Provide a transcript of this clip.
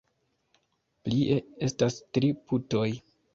Plie, estas tri putoj.